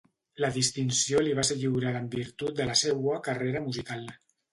La distinció li va ser lliurada en virtut de la seua carrera musical.